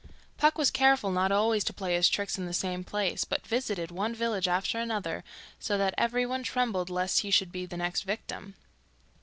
Puck was careful not always to play his tricks in the same place, but visited one village after another, so that everyone trembled lest he should be the next victim.